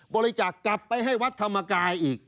บริจาคกลับไปให้วัดธรรมกายอีก